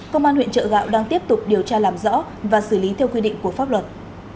công an huyện chợ gạo đang tiếp tục điều tra làm rõ và xử lý theo quy định của pháp luật